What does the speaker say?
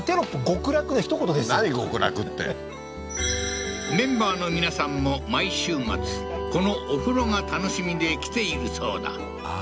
「極楽」ってメンバーの皆さんも毎週末このお風呂が楽しみで来ているそうだあ